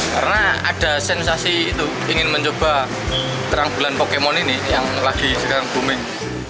karena ada sensasi itu ingin mencoba terang bulan pokemon ini yang lagi sekarang booming